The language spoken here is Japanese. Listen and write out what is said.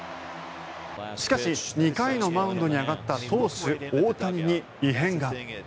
しかし２回のマウンドに上がった投手・大谷に異変が。